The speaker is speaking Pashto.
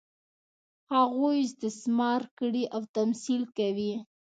هغوی استثمار کړي او تمثیل کوي.